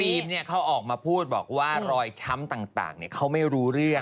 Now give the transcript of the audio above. แล้วฟิล์มเนี่ยเค้าออกมาพูดบอกว่ารอยช้ำต่างเนี่ยเค้าไม่รู้เรื่อง